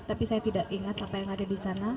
tapi saya tidak ingat apa yang ada di sana